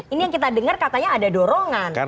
ini yang kita dengar katanya ada dorongan